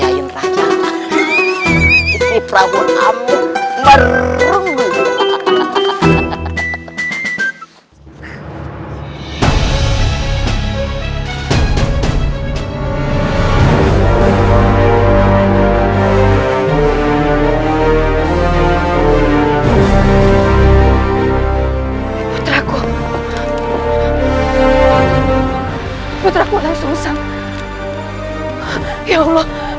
sayang rakyat istri prahun amu merungu puteraku puteraku langsung usang ya allah